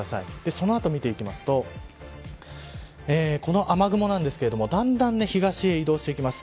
その後見ていきますとこの雨雲なんですけどだんだん東へ移動していきます。